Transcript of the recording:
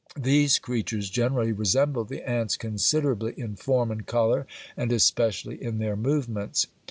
These creatures generally resemble the ants considerably in form and colour and especially in their movements.